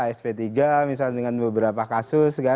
sp tiga misalnya dengan beberapa kasus